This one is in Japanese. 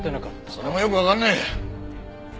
それもよくわからねえ。